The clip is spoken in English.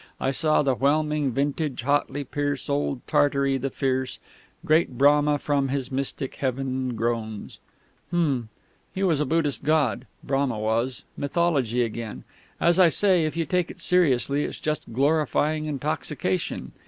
I saw the whelming vintage hotly pierce Old Tartary the fierce! Great Brahma from his mystic heaven groans_ ..." "Hm! He was a Buddhist god, Brahma was; mythology again. As I say, if you take it seriously, it's just glorifying intoxication.